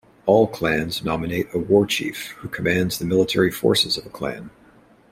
All Clans nominate a Warchief, who commands the military forces of a Clan.